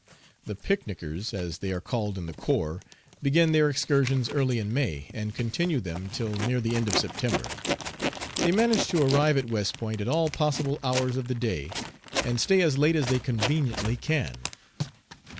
The "Picnicers," as they are called in the corps, begin their excursions early in May, and continue them till near the end of September. They manage to arrive at West Point at all possible hours of the day, and stay as late as they conveniently can.